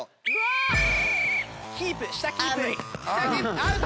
アウト！